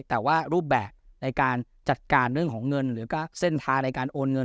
แต่ว่ารูปแบบในการจัดการเรื่องของเงินหรือก็เส้นทางในการโอนเงิน